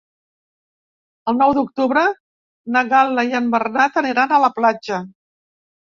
El nou d'octubre na Gal·la i en Bernat aniran a la platja.